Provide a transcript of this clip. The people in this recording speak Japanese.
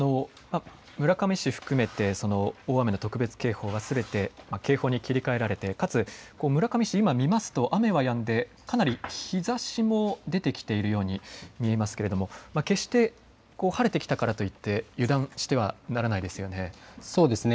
村上市を含めて大雨の特別警報はすべて警報に切り替えられてかつ村上市、今、雨はやんでかなり日ざしも出てきているように見えますけれども決して晴れてきたからといって油断してはならないですよね。